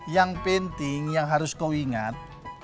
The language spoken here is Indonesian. yang penting yang harus kau ingat